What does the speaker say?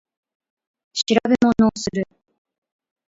調べ物をする